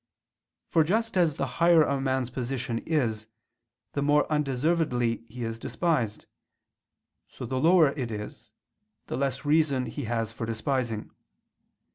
For just as the higher a man's position is, the more undeservedly he is despised; so the lower it is, the less reason he has for despising.